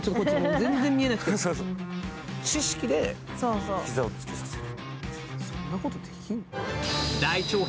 知識でひざを着けさせる。